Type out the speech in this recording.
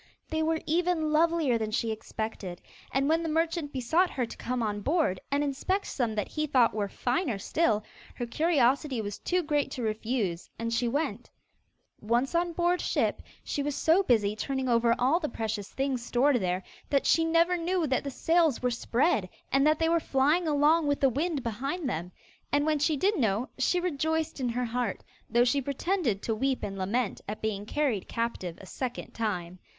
They were even lovelier than she expected, and when the merchant besought her to come on board, and inspect some that he thought were finer still, her curiosity was too great to refuse, and she went. Once on board ship, she was so busy turning over all the precious things stored there, that she never knew that the sails were spread, and that they were flying along with the wind behind them; and when she did know, she rejoiced in her heart, though she pretended to weep and lament at being carried captive a second time.